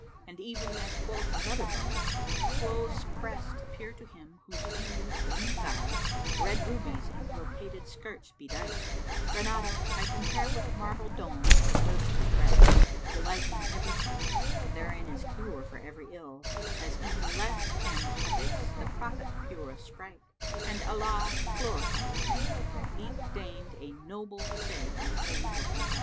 And even as quoth another bard, "Close prest appear to him who views th' inside * Red rubies in brocaded skirts bedight: Granado I compare with marble dome * Or virgin's breasts delighting every sight: Therein is cure for every ill as e'en * Left an Hadís the Prophet pure of sprite; And Allah (glorify His name) eke deigned * A noble say in Holy Book indite.